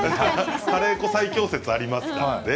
カレー粉最強説ありますからね。